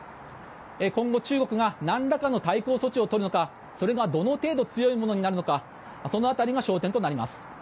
今後、中国がなんらかの対抗措置を取るのかそれがどの程度強いものになるのかその辺りが焦点となります。